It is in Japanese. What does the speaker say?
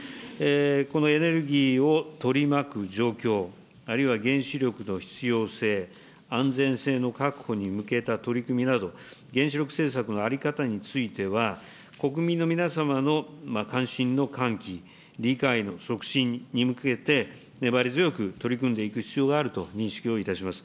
このエネルギーを取り巻く状況、あるいは原子力の必要性、安全性の確保に向けた取り組みなど、原子力政策の在り方については、国民の皆様の関心の喚起、理解の促進に向けて、粘り強く取り組んでいく必要があると認識をいたします。